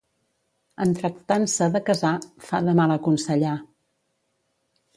En tractant-se de casar, fa de mal aconsellar.